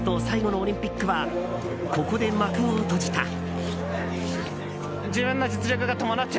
最後のオリンピックはここで幕を閉じた。